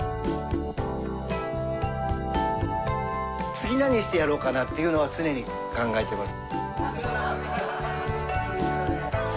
次何してやろうかなっていうのは常に考えてます。